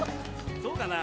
そうかな？